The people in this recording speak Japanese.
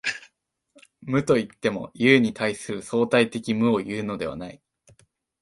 無といっても、有に対する相対的無をいうのではない。